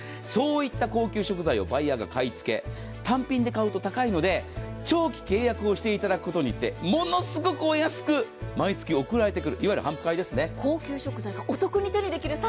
そういった高級食材をバイヤーが買い付け単品で買うと高いので長期契約をしていただくことによってものすごくお安く毎月送られてくる。